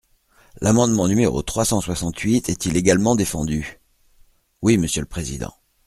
L’amendement numéro trois cent soixante-huit est-il également défendu ? Oui, monsieur le président.